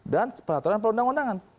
dan peraturan perundang undangan